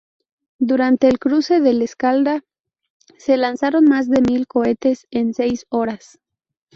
Durante el cruce del Escalda, se lanzaron más de mil cohetes en seis horas.